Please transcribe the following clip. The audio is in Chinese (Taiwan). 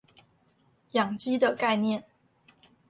養雞的概念